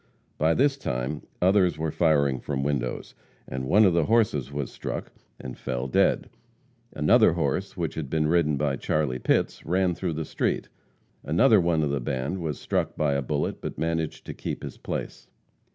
By this time others were firing from windows, and one of the horses was struck and fell dead. Another horse which had been ridden by Charlie Pitts ran through the street. Another one of the band was struck by a bullet, but managed to keep his place.